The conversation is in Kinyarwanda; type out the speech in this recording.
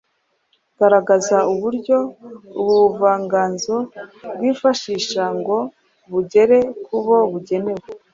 Garagaza uburyo ubu buvanganzo bwifashisha ngo bugere ku bo bugenewe.